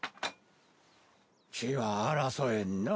血は争えんな。